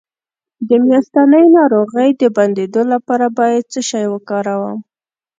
د میاشتنۍ ناروغۍ د بندیدو لپاره باید څه شی وکاروم؟